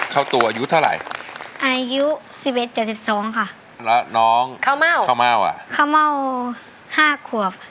เข้าตูอายุเท่าไหร่อายุ๑๑๗๒ค่ะแล้วน้องเข้าเม่าเข้าเม่า๕ขวบ